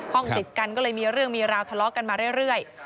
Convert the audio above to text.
ติดกันก็เลยมีเรื่องมีราวทะเลาะกันมาเรื่อย